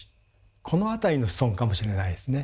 この辺りの子孫かもしれないですね。